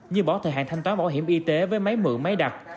như bỏ thời hạn thanh toán bảo hiểm y tế với máy mượn máy đặt